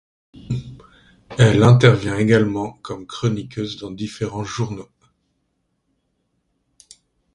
Elle intervient également comme chroniqueuse dans différents journaux.